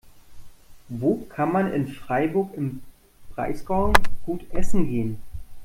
Wo kann man in Freiburg im Breisgau gut essen gehen?